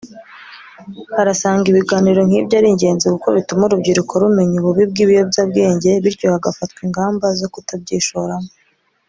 arasanga ibiganiro nk’ibyo ari ingenzi kuko bituma urubyiruko rumenya ububi bw’ibiyobyabwenge bityo hagafatwa ingamba zo kutabyishoramo